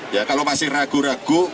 ya kalau masih ragu ragu